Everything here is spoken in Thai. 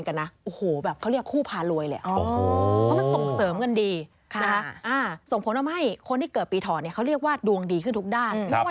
คนเกิดปีเถาะนี่เรียกว่าดวงดีมาก